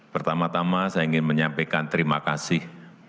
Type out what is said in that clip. pertama tama saya ingin menyampaikan terima kasih